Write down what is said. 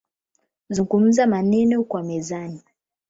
"Zungumza maneno kwa mizani"